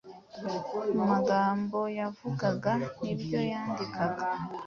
Mu magambo yavugaga n’ibyo yandikaga